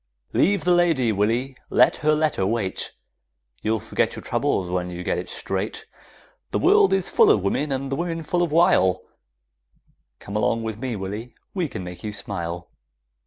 Leave the lady, Willy, let her letter wait, You'll forget your troubles when you get it straight, The world is full of women, and the women full of wile; Come along with me, Willy, we can make you smile!